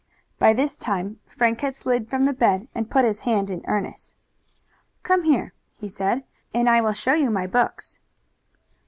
By this time Frank had slid from the bed and put his hand in Ernest's. "Come here," he said, "and I will show you my books."